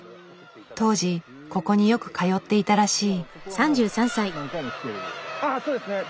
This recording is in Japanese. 当時ここによく通っていたらしい。